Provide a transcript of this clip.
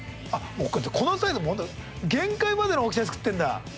このサイズ限界までの大きさで作ってんだ。